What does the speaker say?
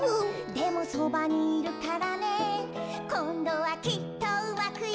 「でもそばにいるからねこんどはきっとうまくいくよ！」